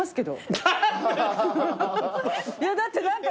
いやだって何か。